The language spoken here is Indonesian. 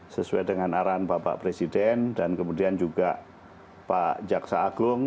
sesuai dengan arahan bapak presiden dan kemudian juga pak jaksa agung